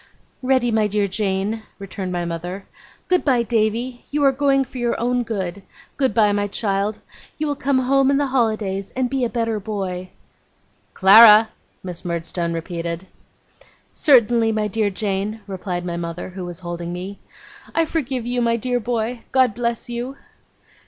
'Ready, my dear Jane,' returned my mother. 'Good bye, Davy. You are going for your own good. Good bye, my child. You will come home in the holidays, and be a better boy.' 'Clara!' Miss Murdstone repeated. 'Certainly, my dear Jane,' replied my mother, who was holding me. 'I forgive you, my dear boy. God bless you!